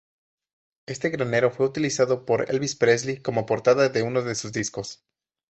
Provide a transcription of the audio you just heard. Este granero fue utilizado por Elvis Presley como portada de uno de sus discos.